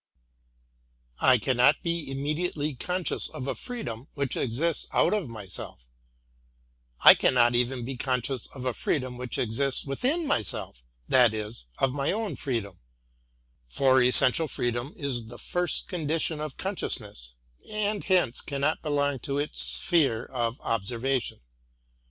I cannot be immediately conscious of a freedom which exists out of myself, — I cannot even be conscious of a free dom which exists within myself, that is, of my own freedom ; for essential freedom is the first condition of consciousness, and hence cannot belong to its sphere of observation.